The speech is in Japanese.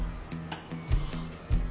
はあ？